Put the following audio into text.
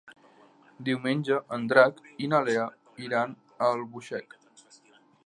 Diumenge en Drac i na Lea iran a Albuixec.